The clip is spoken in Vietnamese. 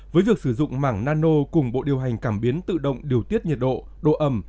với việc sử dụng mảng nano cùng bộ điều hành cảm biến tự động điều tiết nhiệt độ độ ẩm